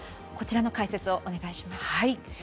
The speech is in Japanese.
こちらの解説をお願いします。